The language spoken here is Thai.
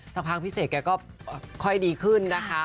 สักพักพี่เสกแกก็ค่อยดีขึ้นนะคะ